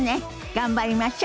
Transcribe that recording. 頑張りましょ！